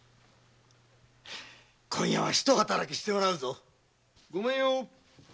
今夜はひと働きしてもらうぞごめんよ。